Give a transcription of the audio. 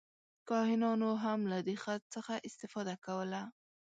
کاهنانو هم له دې خط څخه استفاده کوله.